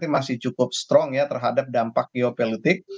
masih cukup strong ya terhadap dampak geopolitik